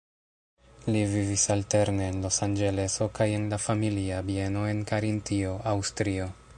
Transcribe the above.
Li vivis alterne en Losanĝeleso kaj en la familia bieno en Karintio, Aŭstrio.